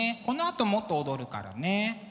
このあともっと踊るからね。